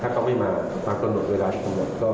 ถ้าครับไม่มาเราไปกำหนดด้วยรายผล่านของเขาหมด